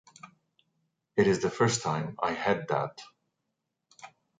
It’s the first time I head that.